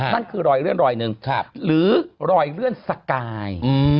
นั่นคือรอยเลื่อนรอยหนึ่งหรือรอยเลื่อนสกาย